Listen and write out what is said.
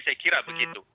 saya kira begitu